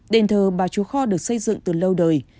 đền thờ bà chúa kho được xây dựng từ lâu đời